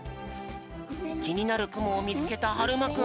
きになるくもをみつけたはるまくん。